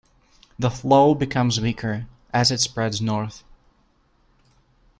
The flow becomes weaker as it spreads north.